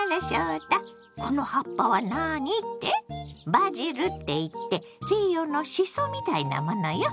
バジルって言って西洋のシソみたいなものよ。